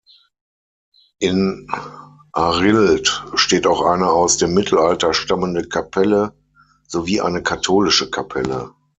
In Arild steht auch eine aus dem Mittelalter stammende Kapelle sowie eine katholische Kapelle.